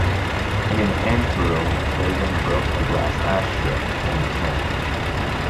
In an anteroom Fagan broke a glass ashtray, cutting his hand.